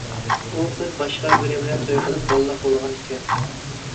ئۇ قىز باشقا بىرى بىلەن توي قىلىپ بالىلىق بولغان ئىكەن.